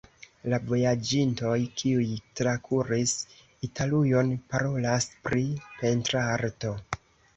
La vojaĝintoj, kiuj trakuris Italujon, parolas pri pentrarto.